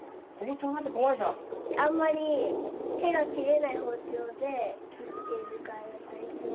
あんまり手が切れない包丁で切っているから大丈夫。